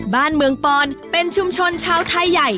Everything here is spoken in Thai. บ้านเมืองปอนเป็นชุมชนชาวไทยใหญ่